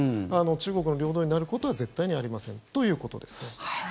中国の領土になることは絶対にありませんということですね。